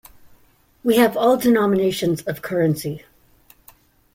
We have all denominations of currency.